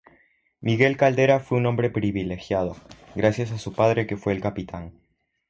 Miguel caldera fue un hombre privilegiado, gracias a su padre que fue el capitán.